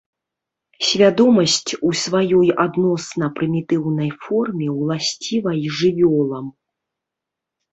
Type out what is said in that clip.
Свядомасць у сваёй адносна прымітыўнай форме ўласціва і жывёлам.